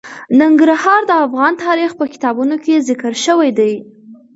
ننګرهار د افغان تاریخ په کتابونو کې ذکر شوی دي.